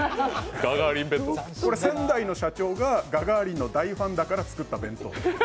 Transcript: これ、先代の社長がガガーリンのファンだったから作った弁当。